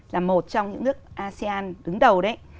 là một trong những nước asean đứng đầu đấy